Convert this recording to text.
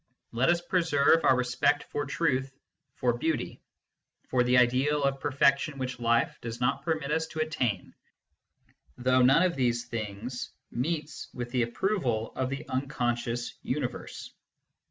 Let us preserve our respect for truth, for beauty, for the ideal of perfection which life does not permit us to attain, though none of these things meet with the ap proval of the unconscious universe.